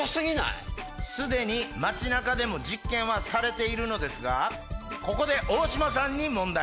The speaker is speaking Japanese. すでに街中でも実験はされているのですがここでオオシマさんに問題！